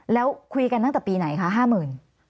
แล้วคุยกันตั้งแต่ปีไหนคะ๕๐๐๐บาท